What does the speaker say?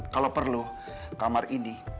kalo perlu kamar ini